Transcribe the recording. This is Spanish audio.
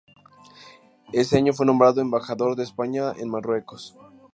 Ese año fue nombrado Embajador de España en Marruecos.